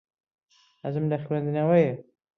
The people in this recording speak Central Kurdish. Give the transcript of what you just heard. حەزم لە خوێندنەوەیە.